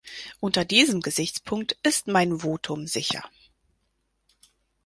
Unter diesem Gesichtspunkt ist mein Votum sicher.